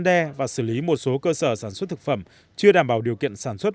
đe và xử lý một số cơ sở sản xuất thực phẩm chưa đảm bảo điều kiện sản xuất